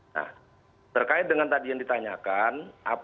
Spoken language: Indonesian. nah terkait dengan tadi yang ditanyakan